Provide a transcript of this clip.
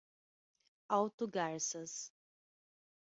Alto Garças